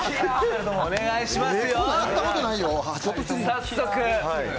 お願いしますよ。